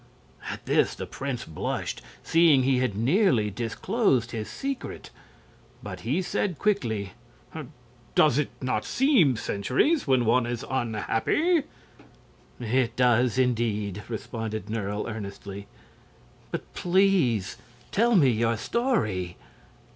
At this the prince blushed, seeing he had nearly disclosed his secret. But he said, quickly: "Does it not seem centuries when one is unhappy?" "It does, indeed!" responded Nerle, earnestly. "But please tell me your story."